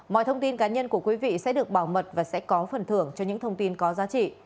mọi thông tin cá nhân của quý vị sẽ được bảo mật và sẽ có phần thưởng cho những thông tin có giá trị